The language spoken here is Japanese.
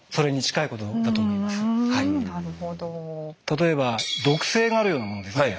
例えば毒性があるようなものですね